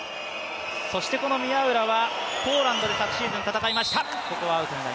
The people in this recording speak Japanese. そして宮浦はポーランドで昨シーズン戦いました。